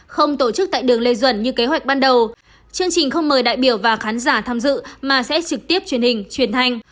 không tổ chức tại đường lê duẩn như kế hoạch ban đầu chương trình không mời đại biểu và khán giả tham dự mà sẽ trực tiếp truyền hình truyền thanh